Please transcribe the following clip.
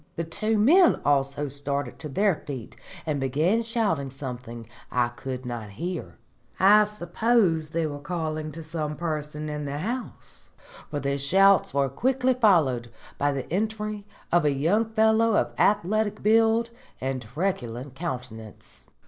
The two men also started to their feet and began shouting something I could not hear. I suppose they were calling to some person in the house, for the shouts were quickly followed by the entry of a young fellow of athletic build and truculent countenance.